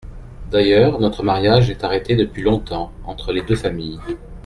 D’ailleurs, notre mariage est arrêté depuis longtemps entre les deux familles…